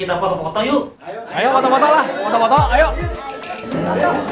ini tolong bergantung kesehatannya dulu